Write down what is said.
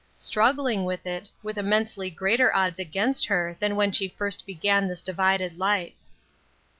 Struggling with it, with immensely greater odds against her than when she first began this divided life.